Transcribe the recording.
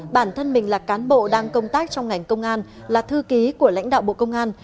bản thân mình là cán bộ đang công tác trong ngành công an là thư ký của lãnh đạo bộ công an